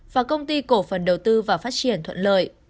và công ty cổ phần đầu tư và phát triển thuận lợi